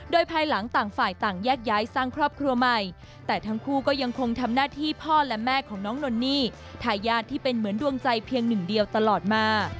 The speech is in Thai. โดยภายหลังต่างฝ่ายต่างแยกย้ายสร้างครอบครัวใหม่